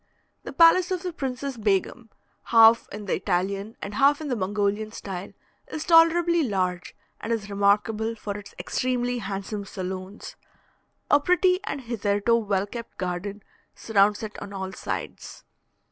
The palace of the Princess Begum, half in the Italian and half in the Mongolian style, is tolerably large, and is remarkable for its extremely handsome saloons. A pretty and hitherto well kept garden surrounds it on all sides.